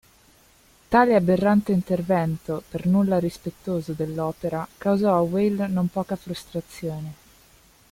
Tale aberrante intervento, per nulla rispettoso dell'opera, causò a Weil non poca frustrazione.